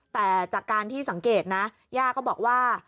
แต่จากการที่สังเกตนะย่าก็บอกว่า